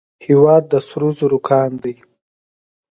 هیواد د سرو زرو کان دی